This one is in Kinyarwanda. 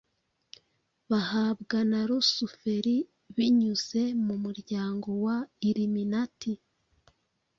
bahabwa na Rusuferi binyuze mu muryango wa Illuminati